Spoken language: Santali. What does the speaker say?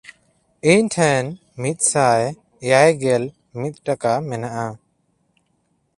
ᱤᱧ ᱴᱷᱮᱱ ᱢᱤᱫᱥᱟᱭ ᱮᱭᱟᱭᱜᱮᱞ ᱢᱤᱫ ᱴᱟᱠᱟ ᱢᱮᱱᱟᱜᱼᱟ᱾